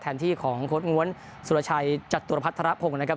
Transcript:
แทนที่ของโค้ดง้วนสุรชัยจัตรภัทรภงนะครับ